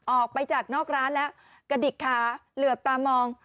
ออกไปจากนอกร้านแล้วกระดิกขาเหลือบตามอง